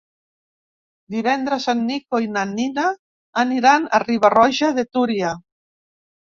Divendres en Nico i na Nina aniran a Riba-roja de Túria.